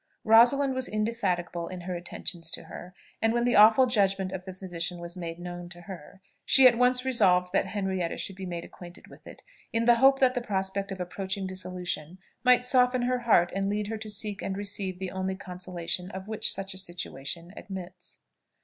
Rosalind was indefatigable in her attentions to her; and when the awful judgment of the physician was made known to her, she at once resolved that Henrietta should be made acquainted with it, in the hope that the prospect of approaching dissolution might soften her heart and lead her to seek and receive the only consolation of which such a situation admits.